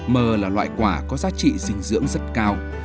mơ là loại quả có giá trị dinh dưỡng rất cao